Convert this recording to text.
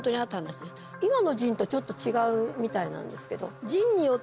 今のジンとちょっと違うみたいなんですけど。